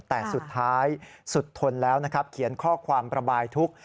แต่สุดท้ายสุดทนแล้วนะครับเขียนข้อความระบายทุกข์